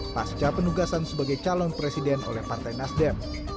pasca penugasan sebagai calon presiden oleh partai nasdem